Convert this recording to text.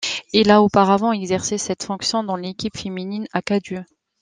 Il a auparavant exercé cette fonction dans l'équipe féminine Acca Due.